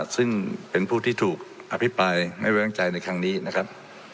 ซึ่งเป็นผู้ที่ถูกอภิปรายไม่ไว้วางใจในครั้งนี้นะครับ